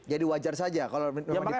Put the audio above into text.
jadi wajar saja kalau dipersepsikan seperti itu